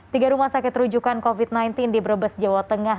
tiga rumah sakit rujukan covid sembilan belas di brebes jawa tengah